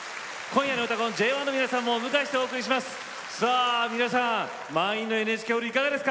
今夜の「うたコン」ＪＯ１の皆さんをお迎えしてお送りします。